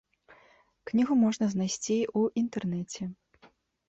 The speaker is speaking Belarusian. Кнігу можна знайсці ў інтэрнэце.